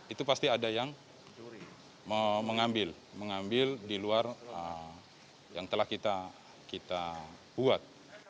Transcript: itu pasti ada yang mengambil di luar yang telah kita buat